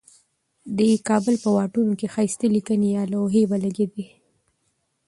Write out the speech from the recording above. دې کابل په واټونو کې ښایسته لیکبڼي یا لوحی ولګیدي.